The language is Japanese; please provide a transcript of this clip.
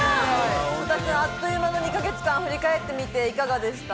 あっという間の２か月間を振り返ってみていかがでしたか？